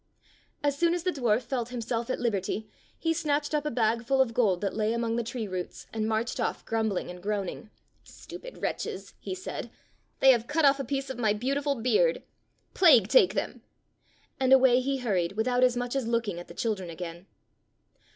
As soon as the dwarf felt himself at liberty he snatched up a bag full of gold that lay among the tree roots and marched off grumbling and groaning. "Stupid wretches!" he said, "they have cut oflf a piece of my 42 Fairy Tale Bears beautiful beard. Plague take them!" And away he hurried without as much as looking at the children again.